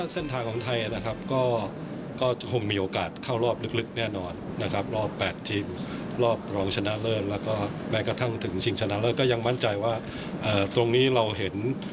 เส้นทางของไทยนะครับก็คงมีโอกาสเข้ารอบลึกแน่นอนนะครับรอบ๘ทีมรอบรองชนะเลิศแล้วก็แม้กระทั่งถึงชิงชนะเลิศก็ยังมั่นใจว่าตรงนี้เราเห็น